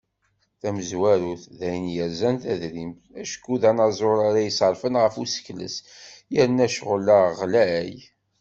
Tamezwarut, d ayen yerzan tadrimt, acku d anaẓur ara iseṛfen ɣef usekles, yerna ccɣel-a ɣlay.